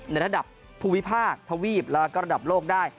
ในระดับภูมิภาคทวีปแล้วก็ระดับโลกได้